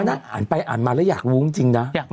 อ่านไปอ่านมาแล้วอยากรู้จริงนะ